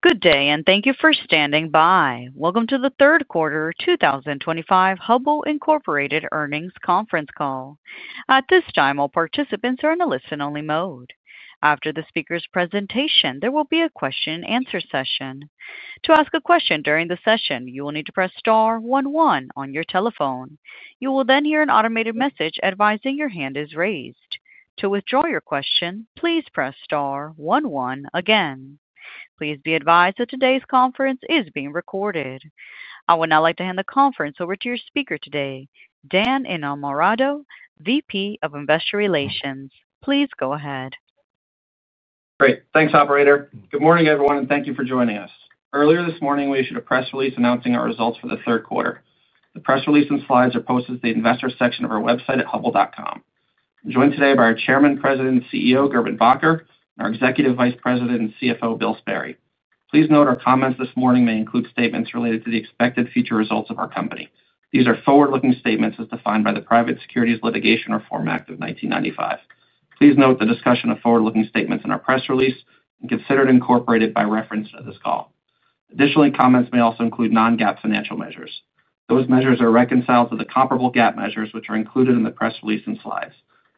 Good day, and thank you for standing by. Welcome to the third quarter 2025 Hubbell Incorporated Earnings Conference Call. At this time, all participants are in a listen-only mode. After the speaker's presentation, there will be a question-and-answer session. To ask a question during the session, you will need to press star one one on your telephone. You will then hear an automated message advising your hand is raised. To withdraw your question, please press star one one again. Please be advised that today's conference is being recorded. I would now like to hand the conference over to your speaker today, Dan Innamorato, VP of Investor Relations. Please go ahead. Great. Thanks, operator. Good morning, everyone, and thank you for joining us. Earlier this morning, we issued a press release announcing our results for the third quarter. The press release and slides are posted to the Investor section of our website at hubbell.com. I'm joined today by our Chairman, President, and CEO, Gerben Bakker, and our Executive Vice President and CFO, Bill Sperry. Please note our comments this morning may include statements related to the expected future results of our company. These are forward-looking statements as defined by the Private Securities Litigation Reform Act of 1995. Please note the discussion of forward-looking statements in our press release and consider it incorporated by reference to this call. Additionally, comments may also include non-GAAP financial measures. Those measures are reconciled to the comparable GAAP measures, which are included in the press release and slides.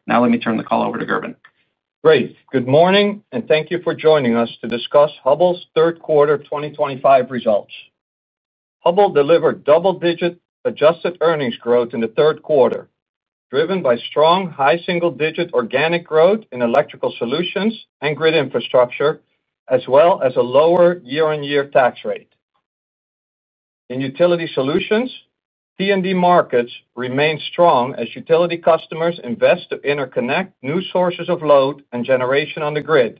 Now, let me turn the call over to Gerben. Great. Good morning, and thank you for joining us to discuss Hubbell's third quarter 2025 results. Hubbell delivered double-digit adjusted earnings growth in the third quarter, driven by strong high single-digit organic growth in electrical solutions and grid infrastructure, as well as a lower year-on-year tax rate. In utility solutions, T&D markets remain strong as utility customers invest to interconnect new sources of load and generation on the grid,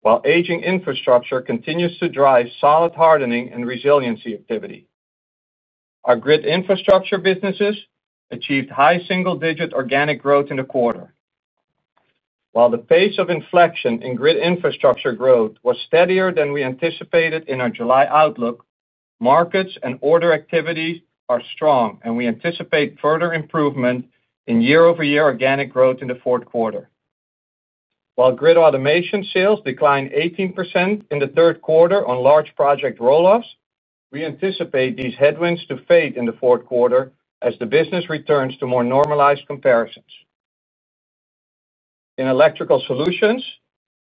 while aging infrastructure continues to drive solid hardening and resiliency activity. Our grid infrastructure businesses achieved high single-digit organic growth in the quarter. While the pace of inflection in grid infrastructure growth was steadier than we anticipated in our July outlook, markets and order activities are strong, and we anticipate further improvement in year-over-year organic growth in the fourth quarter. While grid automation sales declined 18% in the third quarter on large project rollouts, we anticipate these headwinds to fade in the fourth quarter as the business returns to more normalized comparisons. In electrical solutions,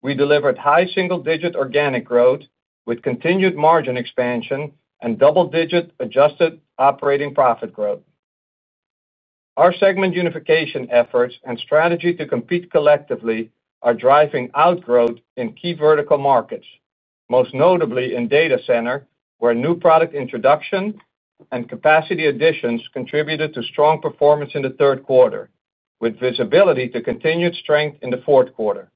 we delivered high single-digit organic growth with continued margin expansion and double-digit adjusted operating profit growth. Our segment unification efforts and strategy to compete collectively are driving outgrowth in key vertical markets, most notably in data center, where new product introduction and capacity additions contributed to strong performance in the third quarter, with visibility to continued strength in the fourth quarter.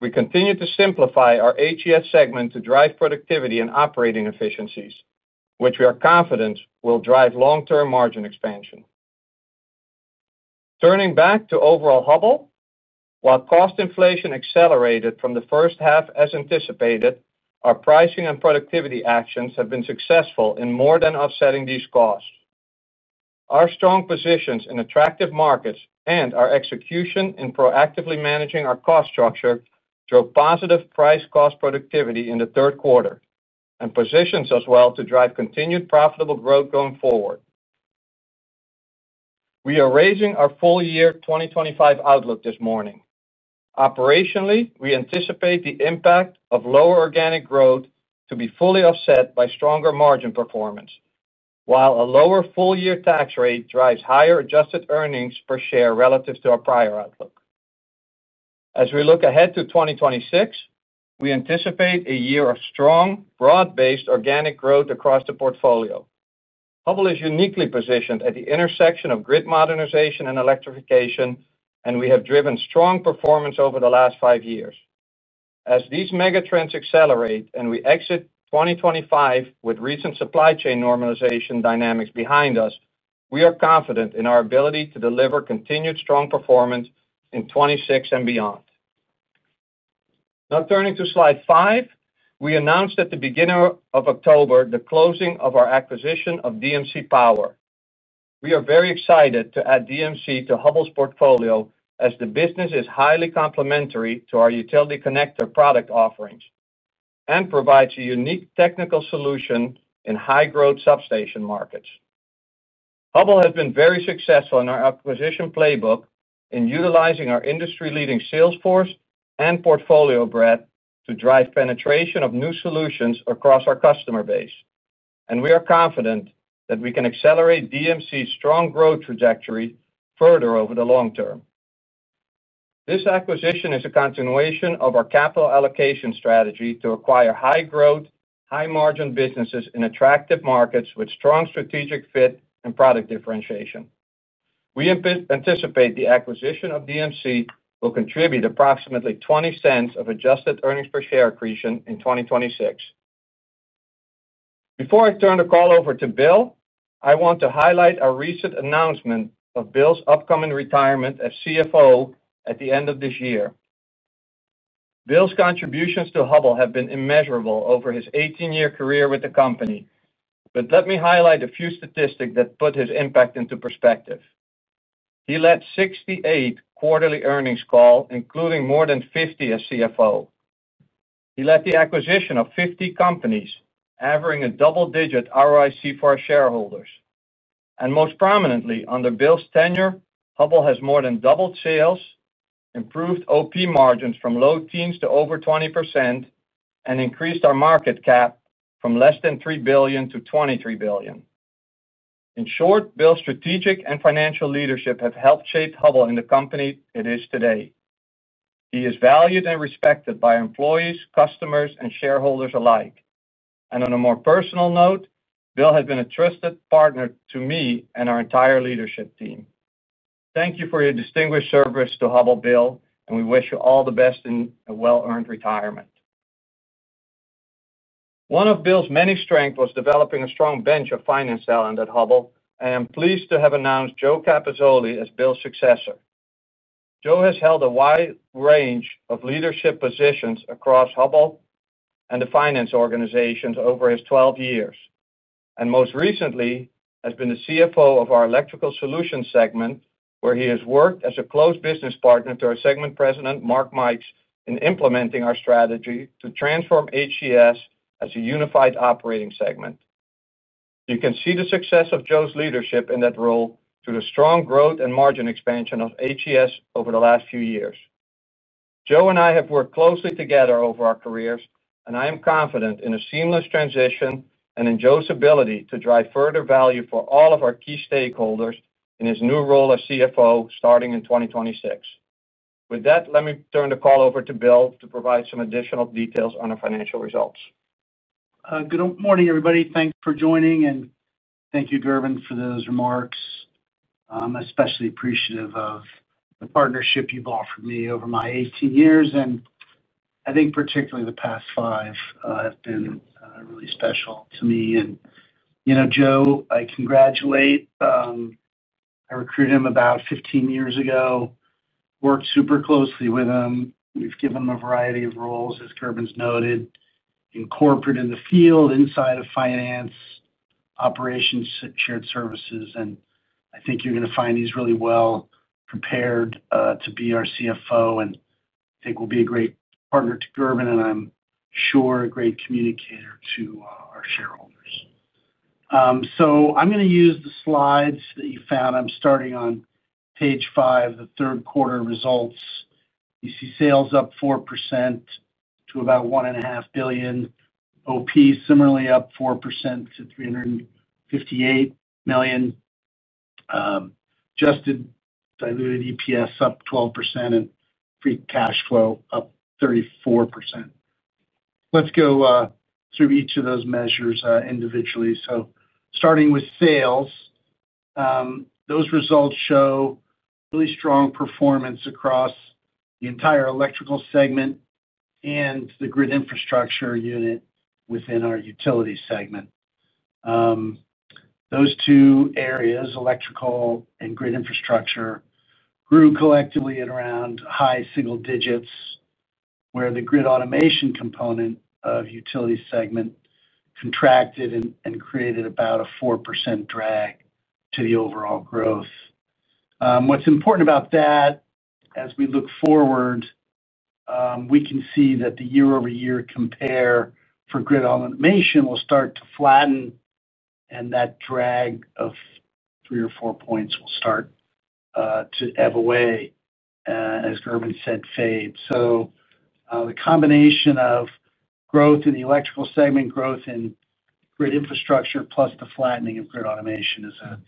We continue to simplify our HES segment to drive productivity and operating efficiencies, which we are confident will drive long-term margin expansion. Turning back to overall Hubbell, while cost inflation accelerated from the first half as anticipated, our pricing and productivity actions have been successful in more than offsetting these costs. Our strong positions in attractive markets and our execution in proactively managing our cost structure drove positive price-cost productivity in the third quarter and positions us well to drive continued profitable growth going forward. We are raising our full-year 2025 outlook this morning. Operationally, we anticipate the impact of lower organic growth to be fully offset by stronger margin performance, while a lower full-year tax rate drives higher adjusted earnings per share relative to our prior outlook. As we look ahead to 2026, we anticipate a year of strong, broad-based organic growth across the portfolio. Hubbell is uniquely positioned at the intersection of grid modernization and electrification, and we have driven strong performance over the last five years. As these megatrends accelerate and we exit 2025 with recent supply chain normalization dynamics behind us, we are confident in our ability to deliver continued strong performance in 2026 and beyond. Now turning to slide five, we announced at the beginning of October the closing of our acquisition of DMC Power. We are very excited to add DMC to Hubbell's portfolio as the business is highly complementary to our Utility Connector product offerings and provides a unique technical solution in high-growth substation markets. Hubbell has been very successful in our acquisition playbook in utilizing our industry-leading sales force and portfolio breadth to drive penetration of new solutions across our customer base, and we are confident that we can accelerate DMC's strong growth trajectory further over the long term. This acquisition is a continuation of our capital allocation strategy to acquire high-growth, high-margin businesses in attractive markets with strong strategic fit and product differentiation. We anticipate the acquisition of DMC will contribute approximately $0.20 of adjusted earnings per share accretion in 2026. Before I turn the call over to Bill, I want to highlight our recent announcement of Bill's upcoming retirement as CFO at the end of this year. Bill's contributions to Hubbell have been immeasurable over his 18-year career with the company, but let me highlight a few statistics that put his impact into perspective. He led 68 quarterly earnings calls, including more than 50 as CFO. He led the acquisition of 50 companies, averaging a double-digit ROIC for our shareholders. Most prominently, under Bill's tenure, Hubbell has more than doubled sales, improved OP margins from low teens to over 20%, and increased our market cap from less than $3 billion to $23 billion. In short, Bill's strategic and financial leadership have helped shape Hubbell and the company it is today. He is valued and respected by employees, customers, and shareholders alike. On a more personal note, Bill has been a trusted partner to me and our entire leadership team. Thank you for your distinguished service to Hubbell, Bill, and we wish you all the best in a well-earned retirement. One of Bill's many strengths was developing a strong bench of finance talent at Hubbell, and I'm pleased to have announced Joe Capozzoli as Bill's successor. Joe has held a wide range of leadership positions across Hubbell and the finance organizations over his 12 years, and most recently has been the CFO of our Electrical Solutions segment, where he has worked as a close business partner to our Segment President, Mark Mikes, in implementing our strategy to transform HES as a unified operating segment. You can see the success of Joe's leadership in that role through the strong growth and margin expansion of HES over the last few years. Joe and I have worked closely together over our careers, and I am confident in a seamless transition and in Joe's ability to drive further value for all of our key stakeholders in his new role as CFO starting in 2026. With that, let me turn the call over to Bill to provide some additional details on our financial results. Good morning, everybody. Thanks for joining, and thank you, Gerben, for those remarks. I'm especially appreciative of the partnership you've offered me over my 18 years, and I think particularly the past five have been really special to me. Joe, I congratulate. I recruited him about 15 years ago, worked super closely with him. We've given him a variety of roles, as Gerben's noted, in corporate, in the field, inside of finance, operations, shared services, and I think you're going to find he's really well prepared to be our CFO and I think will be a great partner to Gerben, and I'm sure a great communicator to our shareholders. I'm going to use the slides that you found. I'm starting on page five, the third quarter results. You see sales up 4% to about $1.5 billion. OP similarly up 4% to $358 million. Adjusted diluted EPS up 12% and free cash flow up 34%. Let's go through each of those measures individually. Starting with sales, those results show really strong performance across the entire electrical segment and the grid infrastructure unit within our utility segment. Those two areas, electrical and grid infrastructure, grew collectively at around high single-digits, where the grid automation component of the utility segment contracted and created about a 4% drag to the overall growth. What's important about that, as we look forward, we can see that the year-over-year compare for grid automation will start to flatten, and that drag of three or four points will start to ebb away, as Gerben said, fade. The combination of growth in the electrical segment, growth in grid infrastructure, plus the flattening of grid automation is a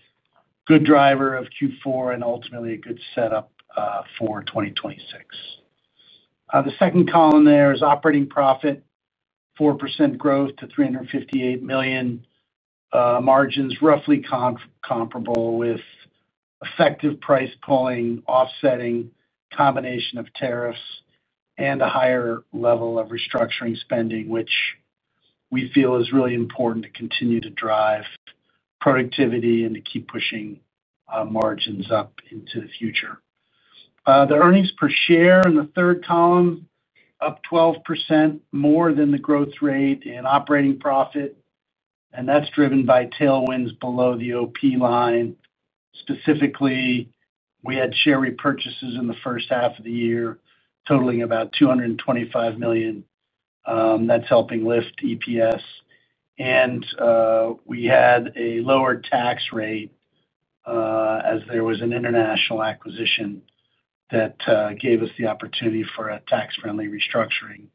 good driver of Q4 and ultimately a good setup for 2026. The second column there is operating profit, 4% growth to $358 million. Margins roughly comparable with effective price pulling, offsetting, combination of tariffs, and a higher level of restructuring spending, which we feel is really important to continue to drive productivity and to keep pushing margins up into the future. The earnings per share in the third column up 12% more than the growth rate in operating profit, and that's driven by tailwinds below the OP line. Specifically, we had share repurchases in the first half of the year totaling about $225 million. That's helping lift EPS, and we had a lower tax rate as there was an international acquisition that gave us the opportunity for a tax-friendly restructuring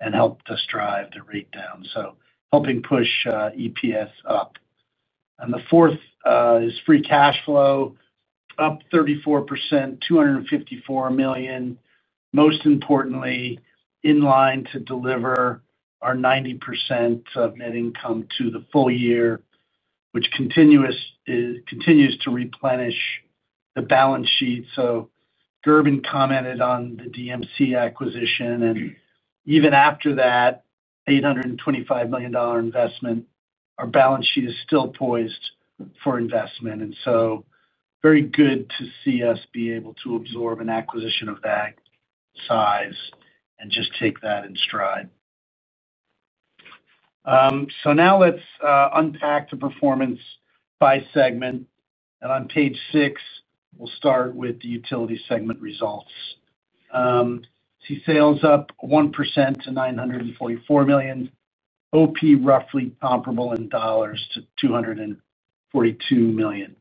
and helped us drive the rate down. Helping push EPS up. The fourth is free cash flow up 34%, $254 million. Most importantly, in line to deliver our 90% of net income to the full year, which continues to replenish the balance sheet. Gerben commented on the DMC Power acquisition, and even after that $825 million investment, our balance sheet is still poised for investment. Very good to see us be able to absorb an acquisition of that size and just take that in stride. Now let's unpack the performance by segment. On page six, we'll start with the utility segment results. See sales up 1% to $944 million. OP roughly comparable in dollars to $242 million.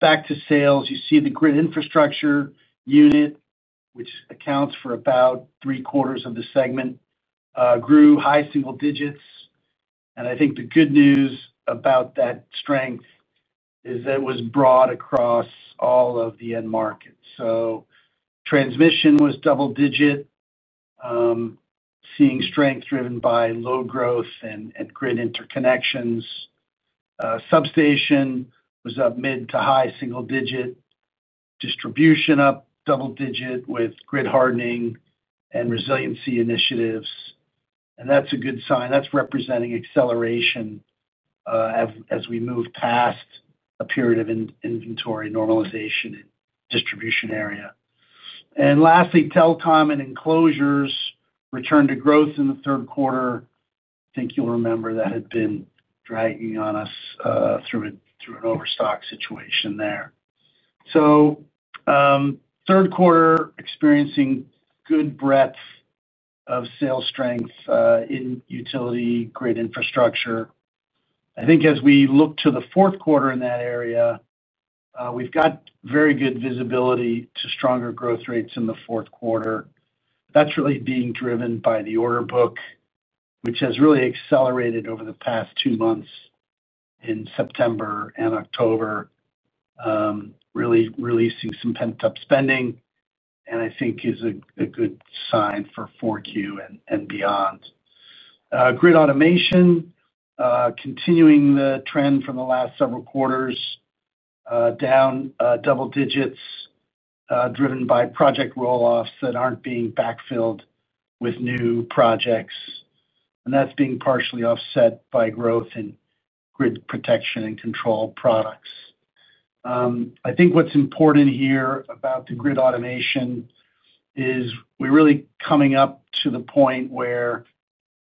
Back to sales, you see the grid infrastructure unit, which accounts for about three-quarters of the segment, grew high single digits. The good news about that strength is that it was broad across all of the end markets. Transmission was double-digit, seeing strength driven by load growth and grid interconnections. Substation was up mid to high single digit. Distribution up double digit with grid hardening and resiliency initiatives. That's a good sign. That's representing acceleration as we move past a period of inventory normalization in the distribution area. Lastly, telecom and enclosures returned to growth in the third quarter. I think you'll remember that had been dragging on us through an overstock situation there. Third quarter experiencing good breadth of sales strength in utility grid infrastructure. As we look to the fourth quarter in that area, we've got very good visibility to stronger growth rates in the fourth quarter. That's really being driven by the order book, which has really accelerated over the past two months in September and October, really releasing some pent-up spending, and I think is a good sign for 4Q and beyond. Grid automation, continuing the trend from the last several quarters, down double digits, driven by project rollouts that aren't being backfilled with new projects. That's being partially offset by growth in grid protection and control products. What's important here about the grid automation is we're really coming up to the point where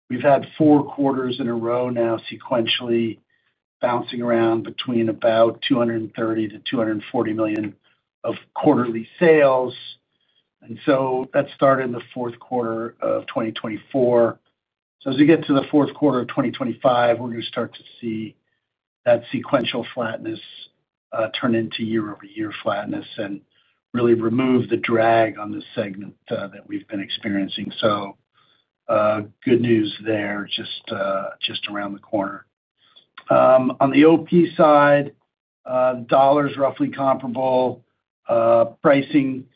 we've had four quarters in a row now sequentially bouncing around between about $230 million-$240 million of quarterly sales. That started in the fourth quarter of 2024. As we get to the fourth quarter of 2025, we're going to start to see that sequential flatness turn into year-over-year flatness and really remove the drag on this segment that we've been experiencing. Good news there, just around the corner. On the OP side, dollars roughly comparable, pricing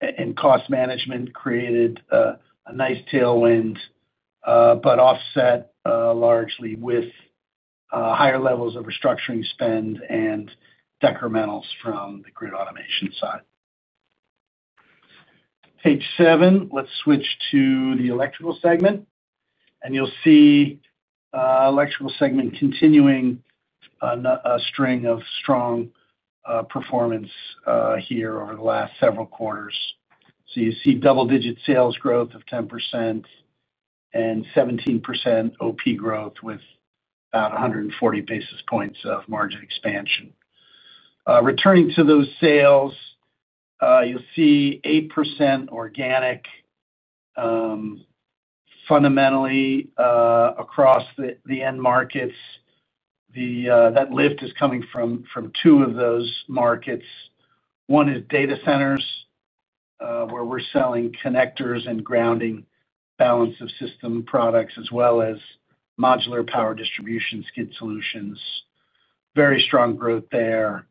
and cost management created a nice tailwind, but offset largely with higher levels of restructuring spend and decrementals from the grid automation side. Page seven, let's switch to the electrical segment. You'll see the electrical segment continuing a string of strong performance here over the last several quarters. You see double-digit sales growth of 10% and 17% OP growth with about 140 basis points of margin expansion. Returning to those sales, you'll see 8% organic fundamentally across the end markets. That lift is coming from two of those markets. One is data centers, where we're selling connectors and grounding balance of system products, as well as modular power distribution skid solutions. Very strong growth there.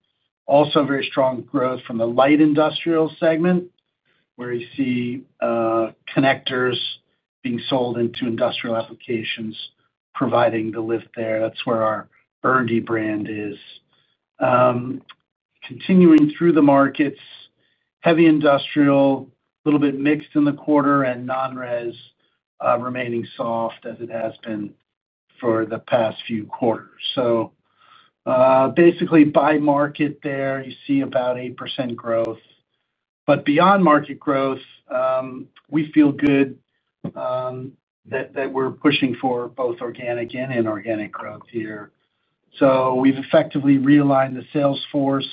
Also, very strong growth from the light industrial segment, where you see connectors being sold into industrial applications, providing the lift there. That's where our Burndy brand is. Continuing through the markets, heavy industrial, a little bit mixed in the quarter, and non-res remaining soft as it has been for the past few quarters. Basically, by market there, you see about 8% growth. Beyond market growth, we feel good that we're pushing for both organic and inorganic growth here. We've effectively realigned the sales force.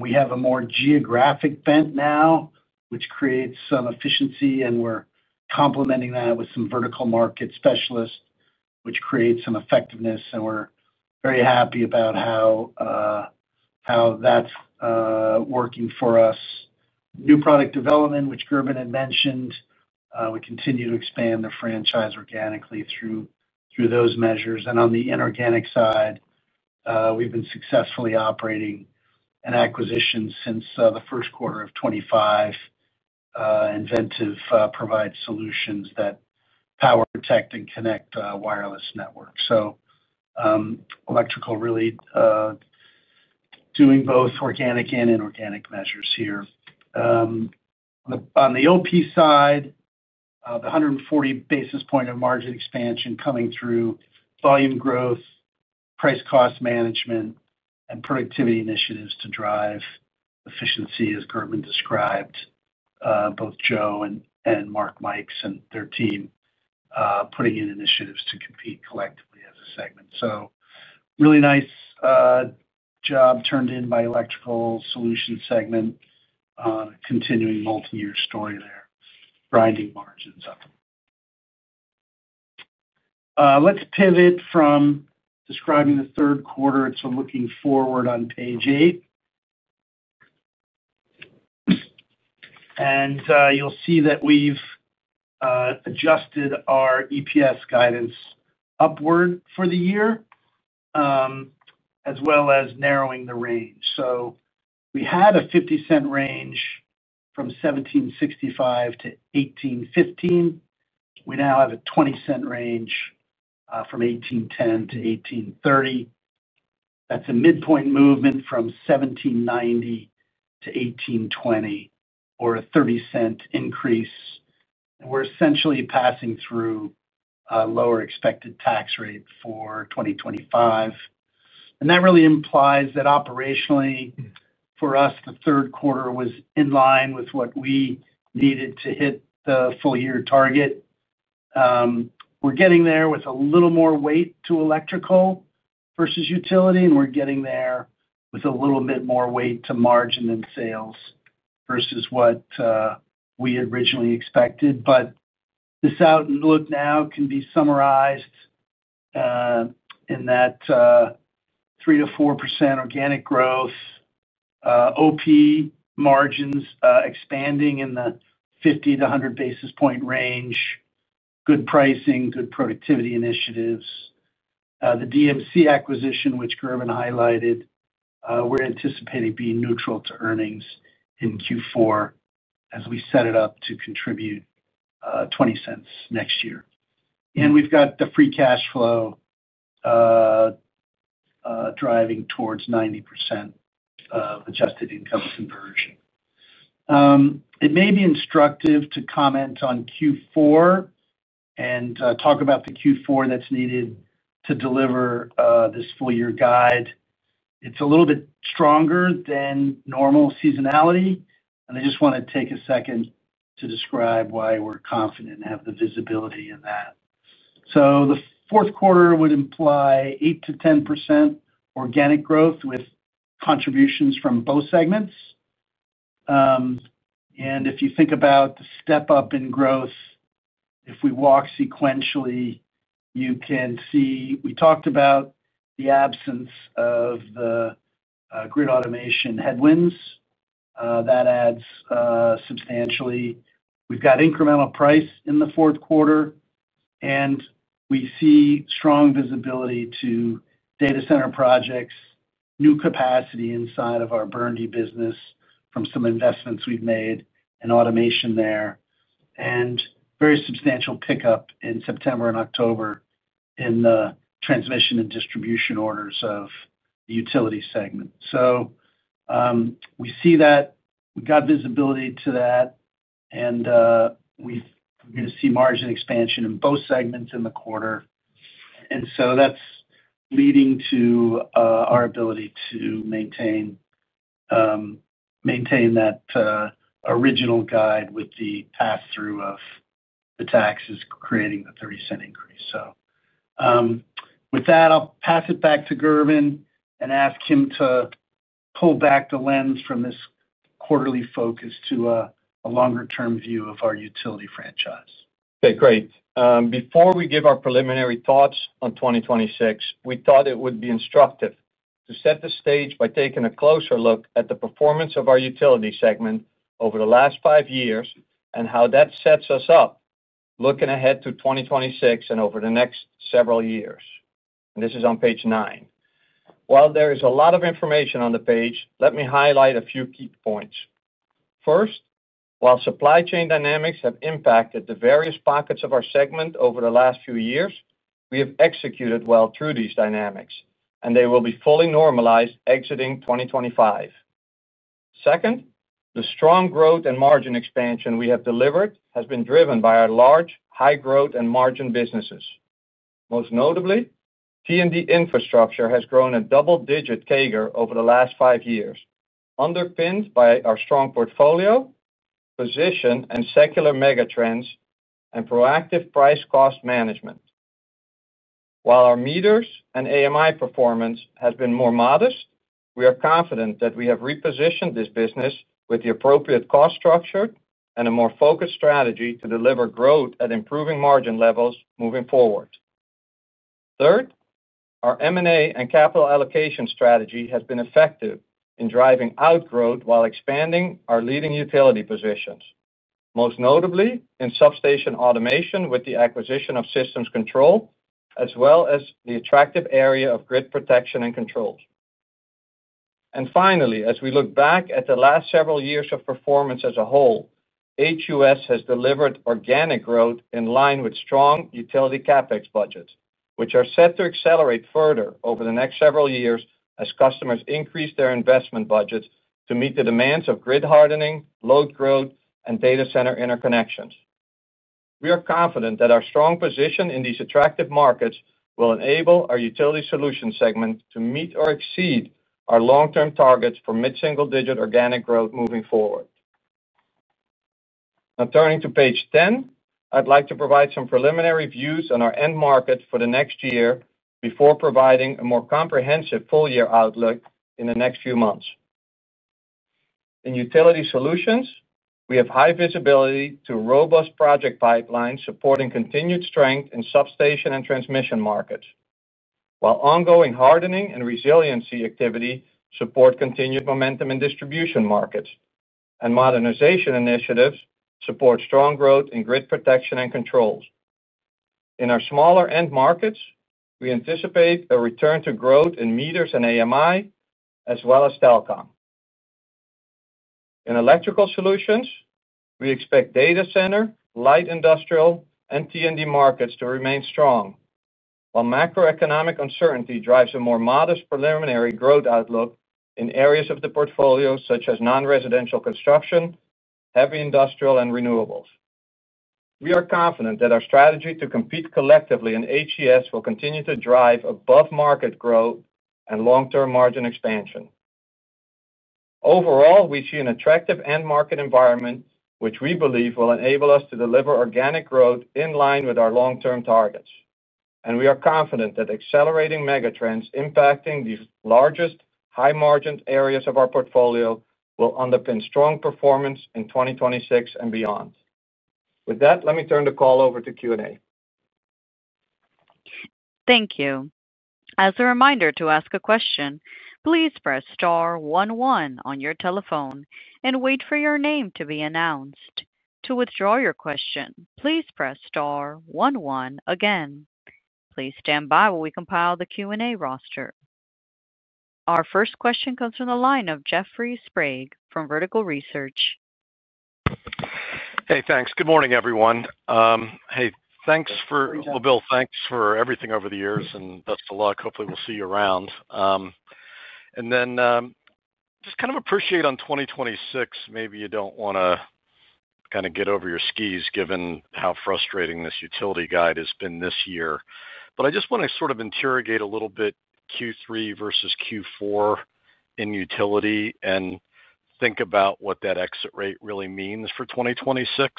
We have a more geographic bent now, which creates some efficiency, and we're complementing that with some vertical market specialists, which creates some effectiveness. We're very happy about how that's working for us. New product development, which Gerben had mentioned, we continue to expand the franchise organically through those measures. On the inorganic side, we've been successfully operating an acquisition since the first quarter of 2025. Inventive provides solutions that power, protect, and connect wireless networks. Electrical really doing both organic and inorganic measures here. On the OP side, the 140 basis point of margin expansion coming through volume growth, price cost management, and productivity initiatives to drive efficiency, as Gerben described, both Joe and Mark Mikes and their team putting in initiatives to compete collectively as a segment. Really nice job turned in by the Electrical Solutions segment on a continuing multi-year story there, grinding margins up. Let's pivot from describing the third quarter to looking forward on page eight. You'll see that we've adjusted our EPS guidance upward for the year, as well as narrowing the range. We had a $0.50 range from $17.65-$18.15. We now have a $0.20 range from $18.10-$18.30. That's a midpoint movement from $17.90-$18.20, or a $0.30 increase. We're essentially passing through a lower expected tax rate for 2025. That really implies that operationally, for us, the third quarter was in line with what we needed to hit the full-year target. We're getting there with a little more weight to Electrical versus Utility, and we're getting there with a little bit more weight to margin and sales versus what we had originally expected. This outlook now can be summarized in that 3%-4% organic growth, OP margins expanding in the 50-100 basis point range, good pricing, good productivity initiatives. The DMC Power acquisition, which Gerben highlighted, we're anticipating being neutral to earnings in Q4 as we set it up to contribute $0.20 next year. We've got the free cash flow driving towards 90% of adjusted income conversion. It may be instructive to comment on Q4 and talk about the Q4 that's needed to deliver this full-year guide. It's a little bit stronger than normal seasonality, and I just want to take a second to describe why we're confident and have the visibility in that. The fourth quarter would imply 8%-10% organic growth with contributions from both segments. If you think about the step up in growth, if we walk sequentially, you can see we talked about the absence of the grid automation headwinds. That adds substantially. We've got incremental price in the fourth quarter, and we see strong visibility to data center projects, new capacity inside of our Burndy business from some investments we've made in automation there, and very substantial pickup in September and October in the transmission and distribution orders of the Utility segment. We see that we've got visibility to that, and we're going to see margin expansion in both segments in the quarter. That's leading to our ability to maintain that original guide with the pass-through of the taxes creating the $0.30 increase. With that, I'll pass it back to Gerben and ask him to pull back the lens from this quarterly focus to a longer-term view of our utility franchise. Okay, great. Before we give our preliminary thoughts on 2026, we thought it would be instructive to set the stage by taking a closer look at the performance of our utility segment over the last five years and how that sets us up looking ahead to 2026 and over the next several years. This is on page nine. While there is a lot of information on the page, let me highlight a few key points. First, while supply chain dynamics have impacted the various pockets of our segment over the last few years, we have executed well through these dynamics, and they will be fully normalized exiting 2025. Second, the strong growth and margin expansion we have delivered has been driven by our large high-growth and margin businesses. Most notably, T&D infrastructure has grown a double-digit CAGR over the last five years, underpinned by our strong portfolio, position, and secular megatrends, and proactive price cost management. While our meters and AMI performance has been more modest, we are confident that we have repositioned this business with the appropriate cost structure and a more focused strategy to deliver growth at improving margin levels moving forward. Third, our M&A and capital allocation strategy has been effective in driving outgrowth while expanding our leading utility positions, most notably in substation automation with the acquisition of Systems Control, as well as the attractive area of grid protection and controls. Finally, as we look back at the last several years of performance as a whole, Hubbell has delivered organic growth in line with strong utility CapEx budgets, which are set to accelerate further over the next several years as customers increase their investment budgets to meet the demands of grid hardening, load growth, and data center interconnections. We are confident that our strong position in these attractive markets will enable our utility solutions segment to meet or exceed our long-term targets for mid-single-digit organic growth moving forward. Now, turning to page 10, I'd like to provide some preliminary views on our end market for the next year before providing a more comprehensive full-year outlook in the next few months. In utility solutions, we have high visibility to robust project pipelines supporting continued strength in substation and transmission markets, while ongoing hardening and resiliency activity support continued momentum in distribution markets, and modernization initiatives support strong growth in grid protection and controls. In our smaller end markets, we anticipate a return to growth in meters and AMI, as well as telecom. In electrical solutions, we expect data center, light industrial, and T&D markets to remain strong, while macroeconomic uncertainty drives a more modest preliminary growth outlook in areas of the portfolio such as non-residential construction, heavy industrial, and renewables. We are confident that our strategy to compete collectively in HES will continue to drive above-market growth and long-term margin expansion. Overall, we see an attractive end market environment, which we believe will enable us to deliver organic growth in line with our long-term targets. We are confident that accelerating megatrends impacting the largest high-margin areas of our portfolio will underpin strong performance in 2026 and beyond. With that, let me turn the call over to Q&A. Thank you. As a reminder to ask a question, please press star 11 on your telephone and wait for your name to be announced. To withdraw your question, please press star 11 again. Please stand by while we compile the Q&A roster. Our first question comes from the line of Jeffrey Sprague from Vertical Research. Hey, thanks. Good morning, everyone. Bill, thanks for everything over the years, and best of luck. Hopefully, we'll see you around. I just kind of appreciate on 2026, maybe you don't want to get over your skis given how frustrating this utility guide has been this year. I just want to sort of interrogate a little bit Q3 versus Q4 in utility and think about what that exit rate really means for 2026.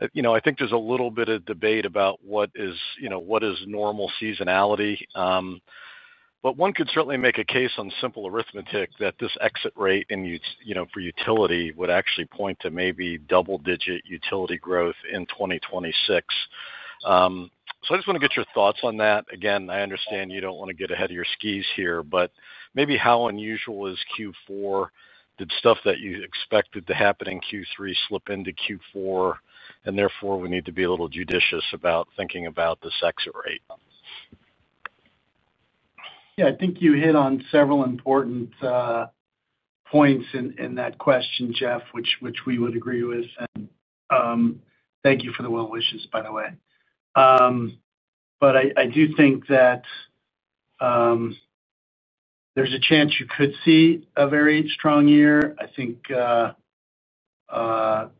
I think there's a little bit of debate about what is, you know, what is normal seasonality. One could certainly make a case on simple arithmetic that this exit rate in, you know, for utility would actually point to maybe double-digit utility growth in 2026. I just want to get your thoughts on that. Again, I understand you don't want to get ahead of your skis here, but maybe how unusual is Q4? Did stuff that you expected to happen in Q3 slip into Q4, and therefore we need to be a little judicious about thinking about this exit rate? Yeah, I think you hit on several important points in that question, Jeff, which we would agree with. Thank you for the well wishes, by the way. I do think that there's a chance you could see a very strong year. I think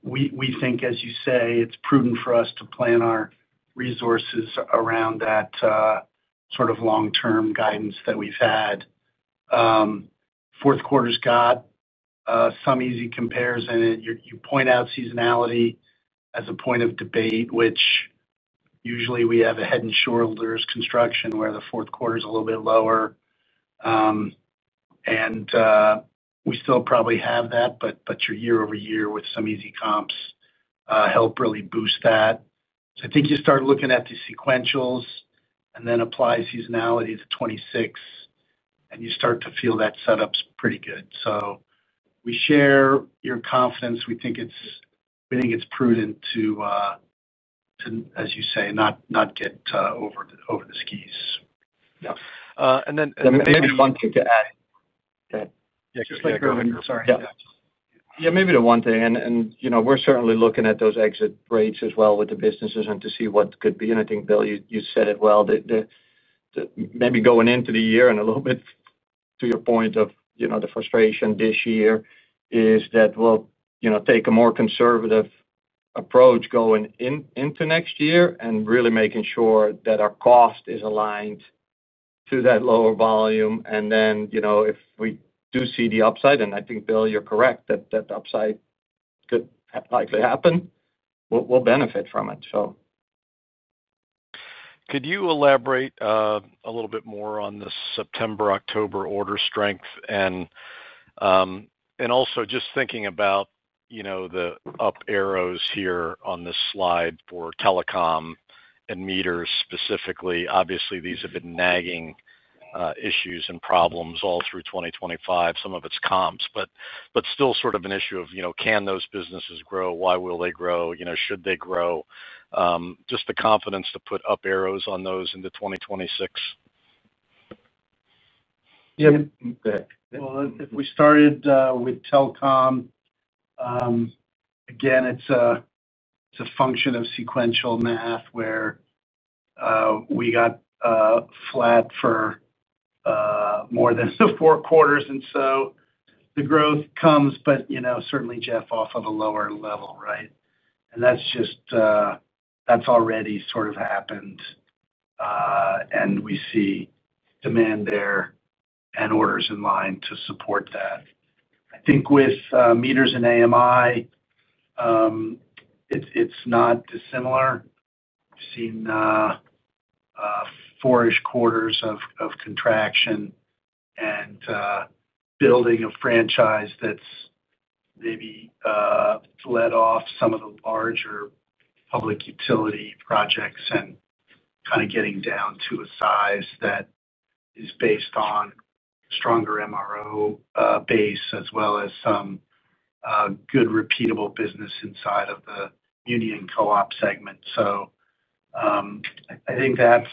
we think, as you say, it's prudent for us to plan our resources around that sort of long-term guidance that we've had. Fourth quarter's got some easy comparison in it. You point out seasonality as a point of debate, which usually we have a head and shoulders construction where the fourth quarter is a little bit lower. We still probably have that, but your year-over-year with some easy comps help really boost that. I think you start looking at the sequentials and then apply seasonality to 2026, and you start to feel that setup's pretty good. We share your confidence. We think it's prudent to, as you say, not get over the skis. Maybe one thing to add. Go ahead. Yeah, just like Gerben. Sorry. Yeah, maybe the one thing. You know we're certainly looking at those exit rates as well with the businesses to see what could be. I think, Bill, you said it well, that maybe going into the year and a little bit to your point of the frustration this year is that we'll take a more conservative approach going into next year and really making sure that our cost is aligned to that lower volume. If we do see the upside, and I think, Bill, you're correct that that upside could likely happen, we'll benefit from it. Could you elaborate a little bit more on the September-October order strength? Also, just thinking about the up arrows here on this slide for telecom and meters specifically. Obviously, these have been nagging issues and problems all through 2025, some of it's comps, but still sort of an issue of, you know, can those businesses grow? Why will they grow? Should they grow? Just the confidence to put up arrows on those into 2026. If we started with telecom, again, it's a function of sequential math where we got flat for more than four quarters. The growth comes, but you know, certainly, Jeff, off of a lower level, right? That's just, that's already sort of happened. We see demand there and orders in line to support that. I think with meters and AMI, it's not dissimilar. We've seen four-ish quarters of contraction and building a franchise that's maybe led off some of the larger public utility projects and kind of getting down to a size that is based on a stronger MRO base, as well as some good repeatable business inside of the union co-op segment. I think that's,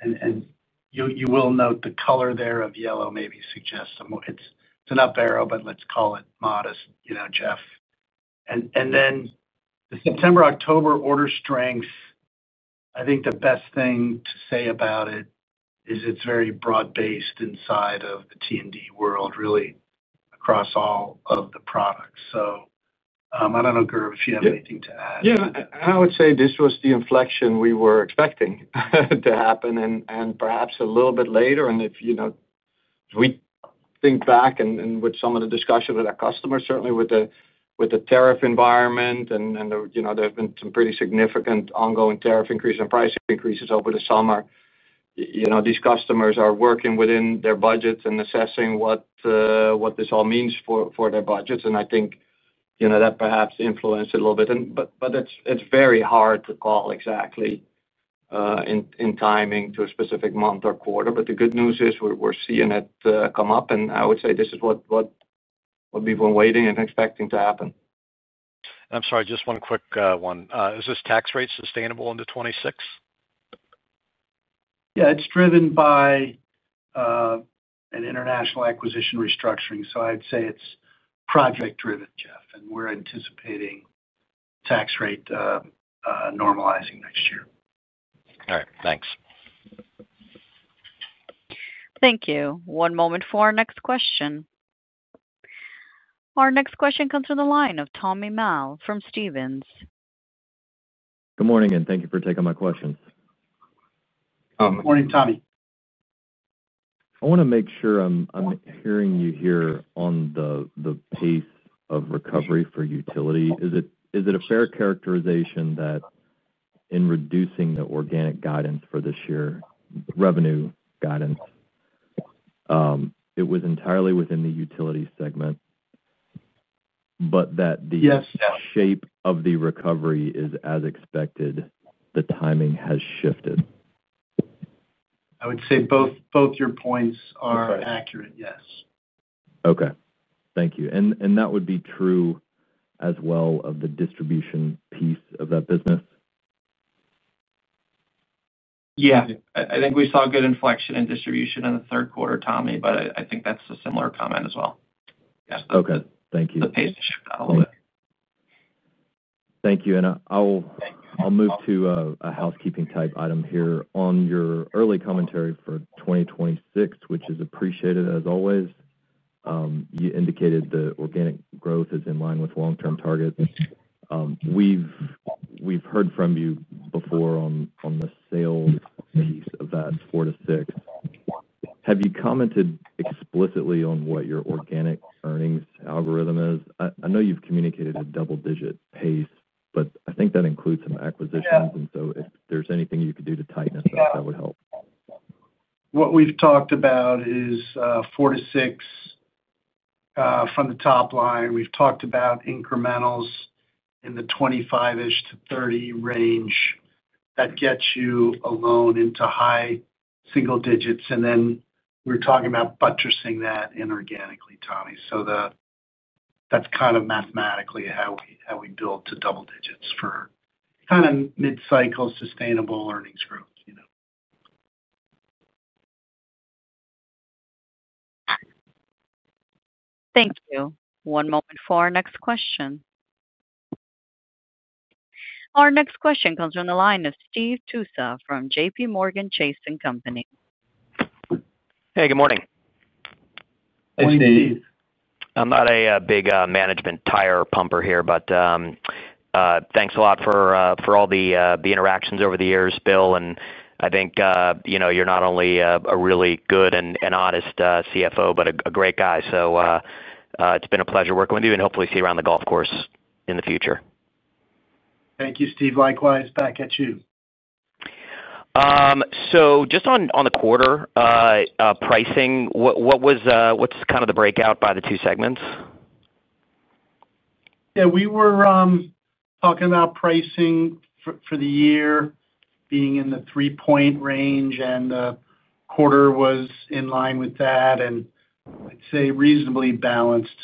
and you will note the color there of yellow maybe suggests it's an up arrow, but let's call it modest, you know, Jeff. The September-October order strength, I think the best thing to say about it is it's very broad-based inside of the T&D world, really across all of the products. I don't know, Gerben, if you have anything to add. I would say this was the inflection we were expecting to happen and perhaps a little bit later. If we think back and with some of the discussion with our customers, certainly with the tariff environment, there have been some pretty significant ongoing tariff increases and price increases over the summer. These customers are working within their budgets and assessing what this all means for their budgets. I think that perhaps influenced it a little bit. It's very hard to call exactly in timing to a specific month or quarter. The good news is we're seeing it come up, and I would say this is what we've been waiting and expecting to happen. I'm sorry, just one quick one. Is this tax rate sustainable into 2026? Yeah, it's driven by an international acquisition restructuring. I'd say it's project-driven, Jeff, and we're anticipating tax rate normalizing next year. All right. Thanks. Thank you. One moment for our next question. Our next question comes from the line of Tommy Moll from Stephens. Good morning, and thank you for taking my question. Good morning, Tommy. I want to make sure I'm hearing you here on the pace of recovery for utility. Is it a fair characterization that in reducing the organic guidance for this year, revenue guidance, it was entirely within the utility segment, but that the shape of the recovery is as expected, the timing has shifted? I would say both your points are accurate, yes. Thank you. That would be true as well of the distribution piece of that business? Yeah, I think we saw a good inflection in distribution in the third quarter, Tommy. I think that's a similar comment as well. Okay, thank you. The pace has shifted a little bit. Thank you. I'll move to a housekeeping type item here. On your early commentary for 2026, which is appreciated as always, you indicated the organic growth is in line with long-term targets. We've heard from you before on the sales piece of that 4%-6%. Have you commented explicitly on what your organic earnings algorithm is? I know you've communicated a double-digit pace, but I think that includes some acquisitions. If there's anything you could do to tighten it, that would help. What we've talked about is 4%-6% from the top line. We've talked about incrementals in the 25%-30% range that gets you alone into high single digits. We're talking about buttressing that inorganically, Tommy. That's kind of mathematically how we build to double digits for kind of mid-cycle sustainable earnings growth, you know. Thank you. One moment for our next question. Our next question comes from the line of Steve Tusa from J.P. Morgan Chase & Co. Hey, good morning. Hey, Steve. I'm not a big management tire pumper here, but thanks a lot for all the interactions over the years, Bill. I think you know you're not only a really good and honest CFO, but a great guy. It's been a pleasure working with you, and hopefully see you around the golf course in the future. Thank you, Steve. Likewise, back at you. On the quarter pricing, what's kind of the breakout by the two segments? Yeah, we were talking about pricing for the year being in the 3% range, and the quarter was in line with that. I'd say reasonably balanced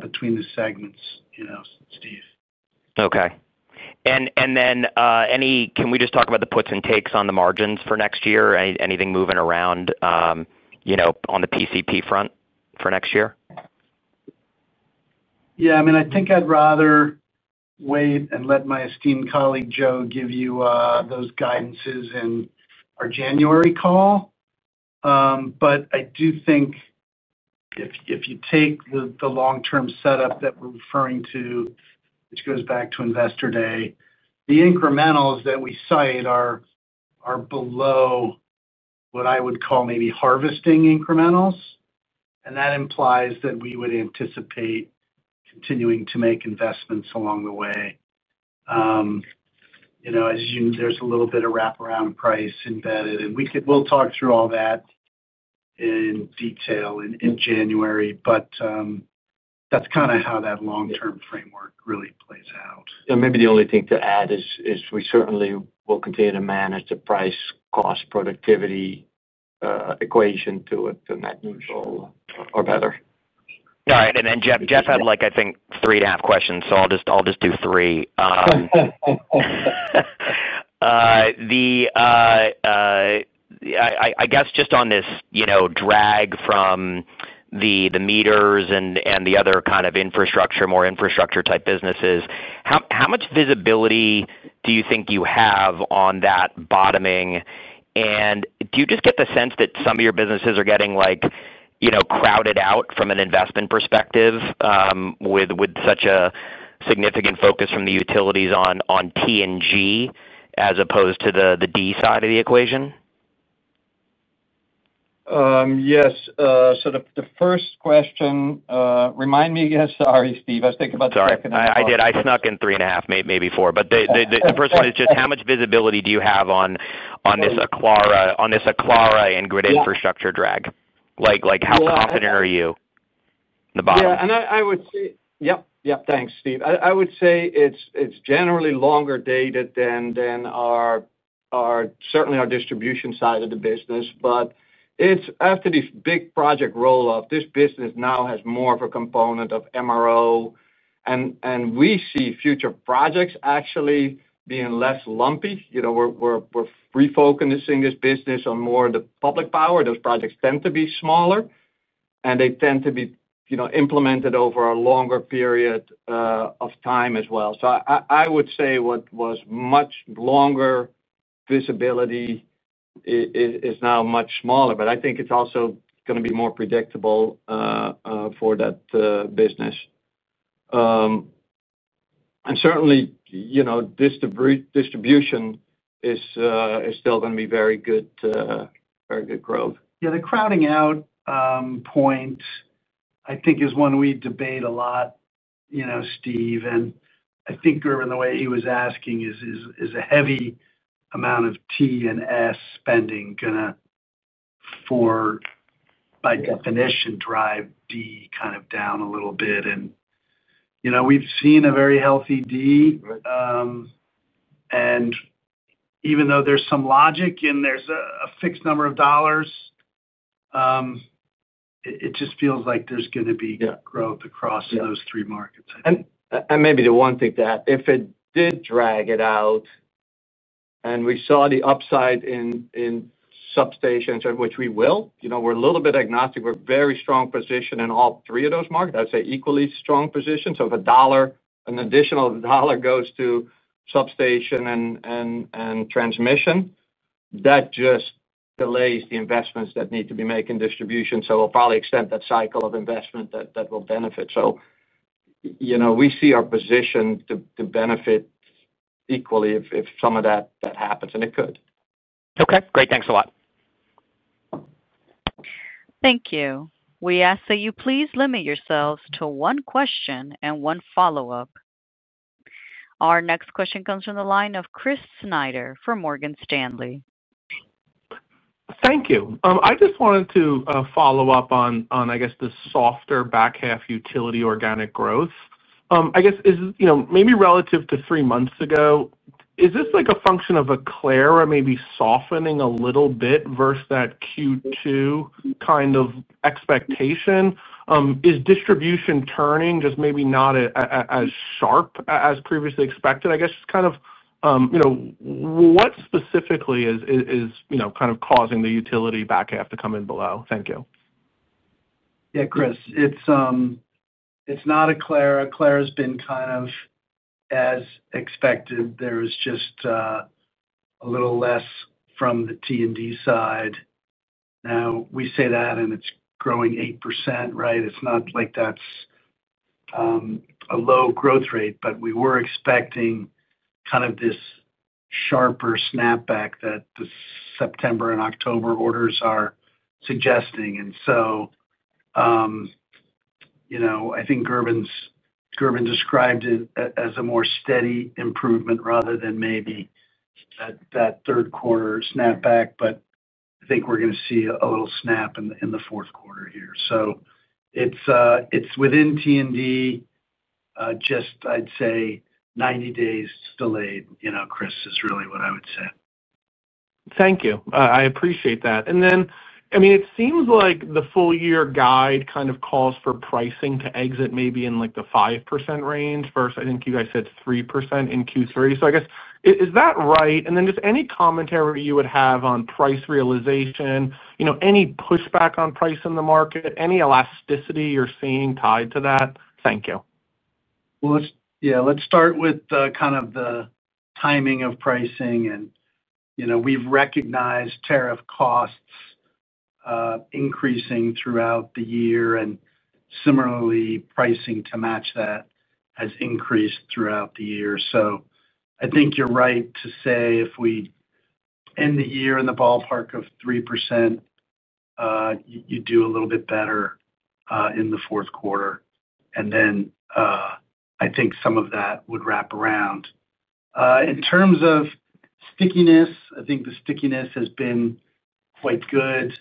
between the segments, you know, Steve. Okay. Can we just talk about the puts and takes on the margins for next year? Anything moving around, you know, on the PCP front for next year? Yeah, I mean, I think I'd rather wait and let my esteemed colleague Joe give you those guidances in our January call. I do think if you take the long-term setup that we're referring to, which goes back to Investor Day, the incrementals that we cite are below what I would call maybe harvesting incrementals. That implies that we would anticipate continuing to make investments along the way. As you know, there's a little bit of wraparound price embedded, and we'll talk through all that in detail in January. That's kind of how that long-term framework really plays out. Yeah, maybe the only thing to add is we certainly will continue to manage the price-cost-productivity equation to it, and that moves all or better. All right. Jeff had, I think, three and a half questions, so I'll just do three. Just on this drag from the meters and the other kind of infrastructure, more infrastructure-type businesses, how much visibility do you think you have on that bottoming? Do you get the sense that some of your businesses are getting crowded out from an investment perspective with such a significant focus from the utilities on T&D as opposed to the distribution side of the equation? Yes, the first question, remind me. Sorry, Steve, I was thinking about the second half. Sorry, I did. I snuck in three and a half, maybe four. The first one is just how much visibility do you have on this Aclara and grid infrastructure drag? How confident are you in the bottom? Yeah, I would say, yep, thanks, Steve. I would say it's generally longer dated than our, certainly our distribution side of the business. After this big project rollout, this business now has more of a component of MRO. We see future projects actually being less lumpy. We're refocusing this business on more of the public power. Those projects tend to be smaller, and they tend to be implemented over a longer period of time as well. I would say what was much longer visibility is now much smaller, but I think it's also going to be more predictable for that business. Certainly, distribution is still going to be very good, very good growth. Yeah, the crowding out point, I think, is one we debate a lot, you know, Steve. I think, Gerben, the way he was asking is, is a heavy amount of T&D spending going to, by definition, drive D kind of down a little bit. You know, we've seen a very healthy D. Even though there's some logic in there's a fixed number of dollars, it just feels like there's going to be growth across those three markets. Maybe the one thing to add, if it did drag it out, and we saw the upside in substations, which we will, you know, we're a little bit agnostic, we're in a very strong position in all three of those markets. I would say equally strong position. If a dollar, an additional dollar goes to substation and transmission, that just delays the investments that need to be made in distribution. We'll probably extend that cycle of investment that will benefit. We see our position to benefit equally if some of that happens, and it could. Okay, great. Thanks a lot. Thank you. We ask that you please limit yourselves to one question and one follow-up. Our next question comes from the line of Chris Snyder for Morgan Stanley. Thank you. I just wanted to follow up on, I guess, the softer back half utility organic growth. I guess, you know, maybe relative to three months ago, is this like a function of Aclara maybe softening a little bit versus that Q2 kind of expectation? Is distribution turning just maybe not as sharp as previously expected? I guess just kind of, you know, what specifically is, you know, kind of causing the utility back half to come in below? Thank you. Yeah. Chris, it's not Aclara. Aclara has been kind of as expected. There is just a little less from the T&D side. Now we say that and it's growing 8%, right? It's not like that's a low growth rate, but we were expecting kind of this sharper snapback that the September and October orders are suggesting. I think Gerben described it as a more steady improvement rather than maybe that third quarter snapback. I think we're going to see a little snap in the fourth quarter here. It's within T&D, just I'd say 90 days delayed, you know, Chris, is really what I would say. Thank you. I appreciate that. It seems like the full-year guide kind of calls for pricing to exit maybe in like the 5% range versus I think you guys said 3% in Q3. I guess, is that right? Any commentary you would have on price realization, any pushback on price in the market, any elasticity you're seeing tied to that? Thank you. Let's start with kind of the timing of pricing. You know, we've recognized tariff costs increasing throughout the year. Similarly, pricing to match that has increased throughout the year. I think you're right to say if we end the year in the ballpark of 3%, you do a little bit better in the fourth quarter. I think some of that would wrap around. In terms of stickiness, I think the stickiness has been quite good.